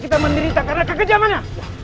kita menderita karena kekejamannya